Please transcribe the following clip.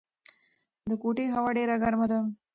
د کوټې هوا ډېره ګرمه ده.